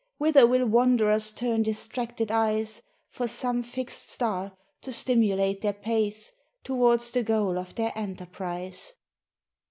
Whither will wanderers turn distracted eyes For some fixed star to stimulate their pace Towards the goal of their enterprise?"